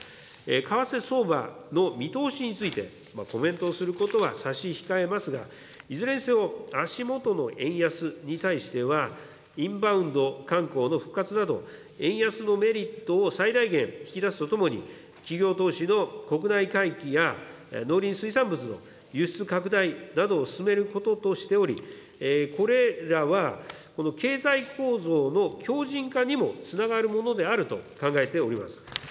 為替相場の見通しについて、コメントをすることは差し控えますが、いずれにせよ、足下の円安に対しては、インバウンド観光の復活など、円安のメリットを最大限引き出すとともに、企業投資の国内回帰や農林水産物の輸出拡大などを進めることとしており、これらは経済構造の強じん化にもつながるものであると考えております。